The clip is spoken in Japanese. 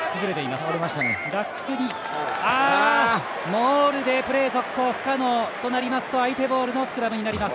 モールでプレー続行不可能となりますと相手のボールのスクラムになります。